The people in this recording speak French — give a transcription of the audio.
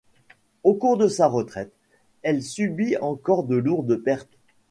Au cours de sa retraite, elle subit encore de lourdes pertes.